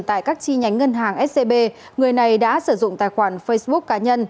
tại các chi nhánh ngân hàng scb người này đã sử dụng tài khoản facebook cá nhân